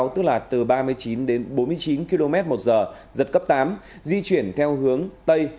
tức là từ ba mươi chín đến bốn mươi chín km một giờ giật cấp tám di chuyển theo hướng tây